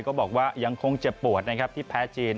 ก็บอกว่ายังคงเจ็บปวดนะครับที่แพ้จีน